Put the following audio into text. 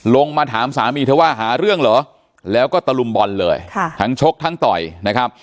ลงมาถามสามีเธอว่าหาเรื่องเหรอแล้วก็ตะลุมบอลเลยค่ะทั้งชกทั้งต่อยนะครับ